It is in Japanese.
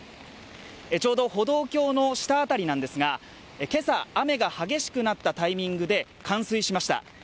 ちょうど歩道橋の下辺りですが今朝雨が激しくなったタイミングで冠水しました。